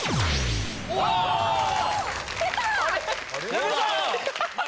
矢部さん！